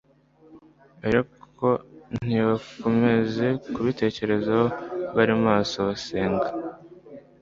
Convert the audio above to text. ariko ntibakomeze kubitekerezaho bari maso basenga,